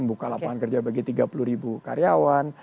buka lapangan kerja bagi tiga puluh karyawan